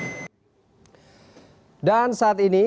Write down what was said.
dan saat ini indonesia masih berhasil menang